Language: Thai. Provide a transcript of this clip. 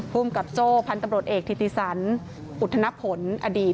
ภูมิกับโจ้พันธุ์ตำรวจเอกธิติสันอุทธนผลอดีต